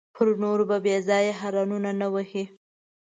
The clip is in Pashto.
پر نورو به بېځایه هارنونه نه وهې.